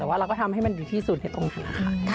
แต่ว่าเราก็ทำให้มันดีที่สุดให้ตรงจุดค่ะ